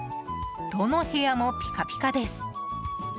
どの部屋もピカピカです。